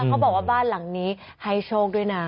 เขาบอกว่าบ้านหลังนี้ให้โชคด้วยนะ